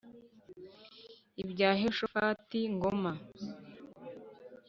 Ibya Yehoshafati ( Ngoma --)